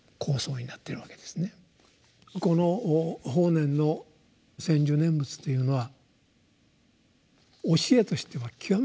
この法然の専修念仏というのは教えとしては極めて簡単ですね。